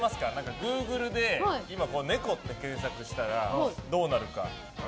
グーグルで今、猫って検索したらどうなるか。